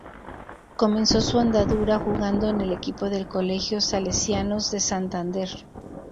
Comenzó su andadura jugando en el equipo del colegio Salesianos de Santander.